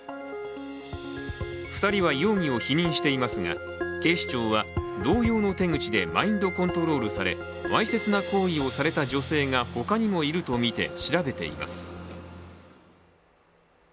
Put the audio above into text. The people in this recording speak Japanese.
２人は容疑を否認していますが警視庁は同様の手口でマインドコントロールされわいせつな行為をされた女性が他にもいるとみて調べています。